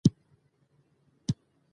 ـ زه دې ابۍ مزدوره ، ابۍ دې کلي.